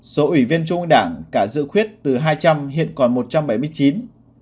số ủy viên trung ương đảng cả dự khuyết từ hai trăm linh hiện còn một trăm bảy mươi chín